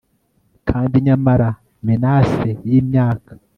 Kandi nyamara menace yimyaka